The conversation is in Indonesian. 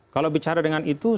kalau bicara dengan itu